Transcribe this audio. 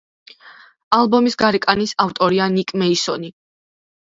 ალბომის გარეკანის ავტორია ნიკ მეისონი.